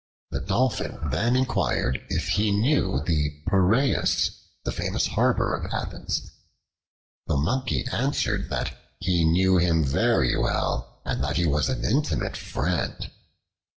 The Dolphin then inquired if he knew the Piraeus (the famous harbor of Athens). Supposing that a man was meant, the Monkey answered that he knew him very well and that he was an intimate friend.